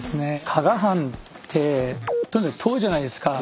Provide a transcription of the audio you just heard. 加賀藩ってとにかく遠いじゃないですか。